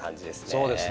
そうですね。